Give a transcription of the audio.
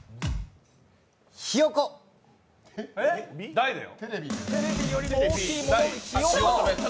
大だよ。